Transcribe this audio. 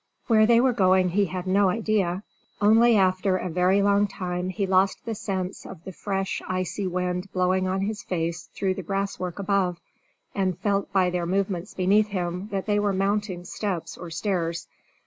Where they were going he had no idea, only after a very long time he lost the sense of the fresh icy wind blowing on his face through the brass work above, and felt by their movements beneath him that they were mounting steps or stairs.